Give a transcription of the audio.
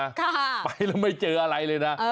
ค่ะไปแล้วไม่เจออะไรเลยนะ